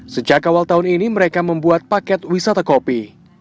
sejak awal tahun ini mereka membuat paket wisata kopi